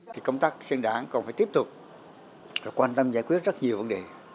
thì công tác xây dựng đảng còn phải tiếp tục quan tâm giải quyết rất nhiều vấn đề